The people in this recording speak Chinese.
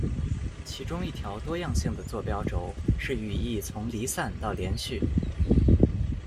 其中一条多样性的坐标轴是语义从离散到连续。